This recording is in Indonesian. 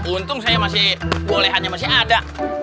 untung saya masih bolehannya masih ada